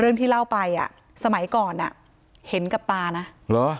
ที่เล่าไปอ่ะสมัยก่อนอ่ะเห็นกับตานะเหรอ